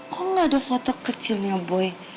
kok gak ada foto kecilnya boy